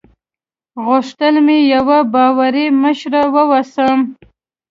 غوښتل مې یوه باوري مشره واوسم.